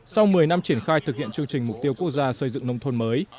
sau một mươi năm triển khai thực hiện chương trình mục tiêu quốc gia xây dựng nông thôn mới